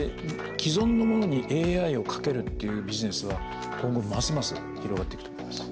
既存のものにＡＩを掛けるっていうビジネスは今後ますます広がっていくと思います